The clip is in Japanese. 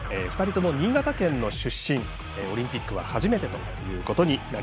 ２人とも新潟県の出身でオリンピックは初めてです。